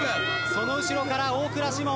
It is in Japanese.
その後ろから大倉士門。